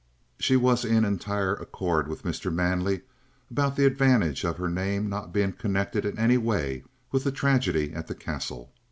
She was in entire accord with Mr. Manley about the advantage of her name not being connected in any way with the tragedy at the Castle.